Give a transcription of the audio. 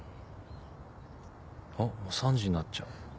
あっ３時になっちゃう。